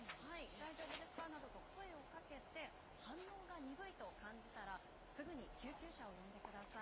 大丈夫ですかなどと声をかけて、反応が鈍いと感じたらすぐに救急車を呼んでください。